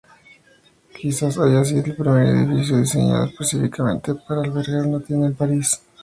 Quizás haya sido el primer edificio diseñado específicamente para albergar una tienda en París.